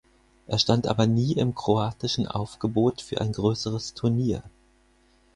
Er stand aber nie im kroatischen Aufgebot für ein größeres Turnier.